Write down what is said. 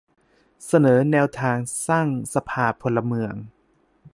เสนอแนวทางสร้างสภาพลเมือง